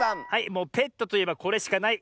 もうペットといえばこれしかない。